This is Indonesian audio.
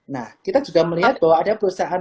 nah kita juga melihat bahwa ada perusahaan